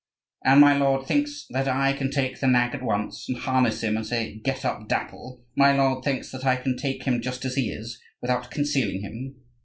"And my lord thinks that I can take the nag at once, and harness him, and say 'Get up, Dapple!' My lord thinks that I can take him just as he is, without concealing him?"